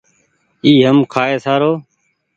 اي هم کآئي سارو ۔